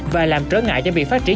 và làm trớ ngại cho việc phát triển